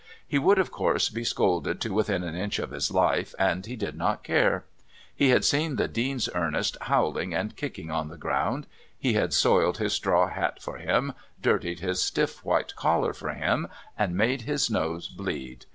He would, of course, be scolded to within an inch of his life, and he did not care. He had seen the Dean's Ernest howling and kicking on the ground; he had soiled his straw hat for him, dirtied his stiff white collar for him, and made his nose bleed.